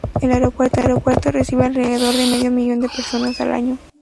El aeropuerto recibe alrededor de medio millón de personas al año.